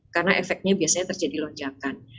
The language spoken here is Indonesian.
karena efeknya biasanya terjadi lonjakan